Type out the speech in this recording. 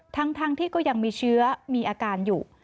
ทั้งที่ก็ยังมีเชื้อมีอาการอยู่